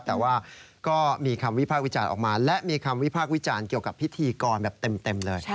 แต่ว่าก็มีคำวิพากษ์วิจารณ์ออกมาและมีคำวิพากษ์วิจารณ์เกี่ยวกับพิธีกรแบบเต็มเลย